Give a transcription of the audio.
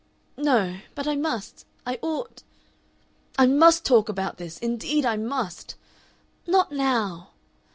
"No. But I must I ought " "I MUST talk about this. Indeed I must." "Not now."